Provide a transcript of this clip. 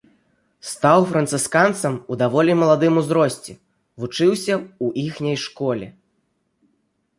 Стаў францысканцам у даволі маладым узросце, вучыўся ў іхняй школе.